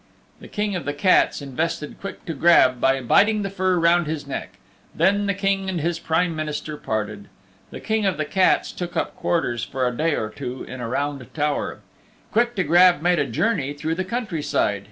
The King of the Cats invested Quick to Grab by biting the fur round his neck. Then the King and his Prime Minister parted. The King of the Cats took up quarters for a day or two in a round tower. Quick to Grab made a journey through the country side.